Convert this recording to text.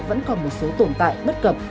vẫn còn một số tồn tại bất cập